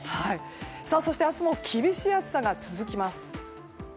そして明日も厳しい暑さが続きます。